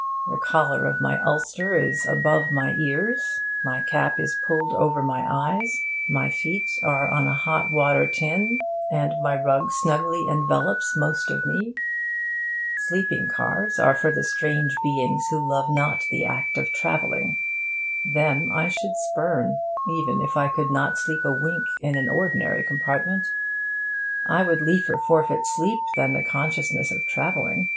The collar of my ulster is above my ears, my cap is pulled over my eyes, my feet are on a hot water tin, and my rug snugly envelops most of me. Sleeping cars are for the strange beings who love not the act of travelling. Them I should spurn even if I could not sleep a wink in an ordinary compartment. I would liefer forfeit sleep than the consciousness of travelling.